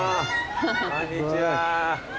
こんにちは。